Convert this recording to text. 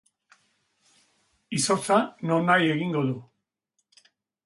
Izotza nonahi egingo du.